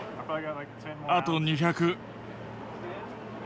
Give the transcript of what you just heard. あと２００。